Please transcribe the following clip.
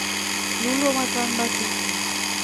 লুলু আমার প্রাণ বাঁচিয়েছে।